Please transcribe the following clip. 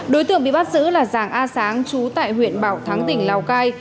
đối tượng bị bắt giữ là giàng a sáng chú tại huyện bảo thắng tỉnh lào cai